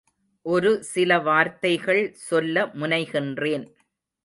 ஒரு சில வார்த்தைகள் சொல்ல முனைகின்றேன்.